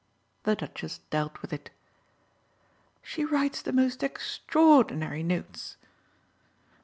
The Duchess dealt with it. "She writes the most extraordinary notes."